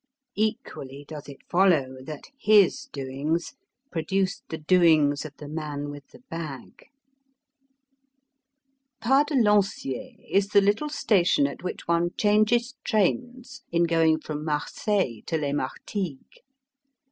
Equally does it follow that his doings produced the doings of the man with the bag. Pas de Lanciers is the little station at which one changes trains in going from Marseille to Les Martigues.